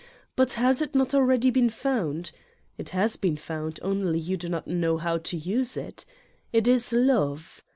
But has it not already beer found! It has been found, only you do not know how to use it: It is love.